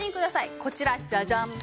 こちらジャジャン！